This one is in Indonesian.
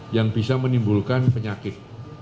yang bisa menimbulkan penyakit